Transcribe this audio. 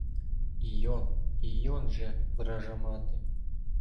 Ійон, ійон же, вража мати!